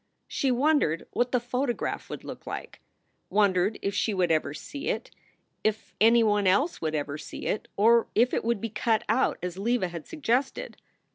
She wondered what the photograph would look like; wondered if she would ever see it, if anyone else would ever see it; or if it would be cut out as Leva had suggested.